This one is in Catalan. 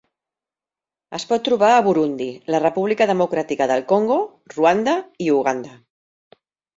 Es pot trobar a Burundi, la República Democràtica del Congo, Ruanda i Uganda.